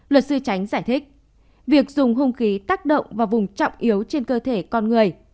luật sư tránh giải thích việc dùng hung khí tác động vào vùng trọng yếu trên cơ thể con người